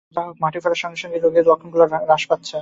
যা হোক, মঠে ফেরার সঙ্গে সঙ্গেই রোগের লক্ষণগুলি হ্রাস পেয়েছে।